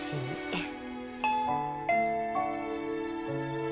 えっ？